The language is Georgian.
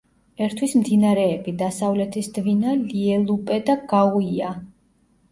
ერთვის მდინარეები: დასავლეთის დვინა, ლიელუპე და გაუია.